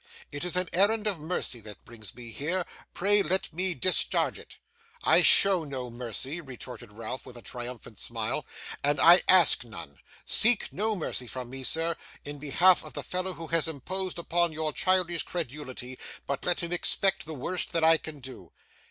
It is an errand of mercy that brings me here. Pray let me discharge it.' 'I show no mercy,' retorted Ralph with a triumphant smile, 'and I ask none. Seek no mercy from me, sir, in behalf of the fellow who has imposed upon your childish credulity, but let him expect the worst that I can do.